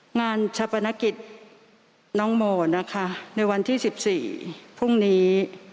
งานชะปนกิจน้องโมนะคะในวันที่๑๔พรุ่งนี้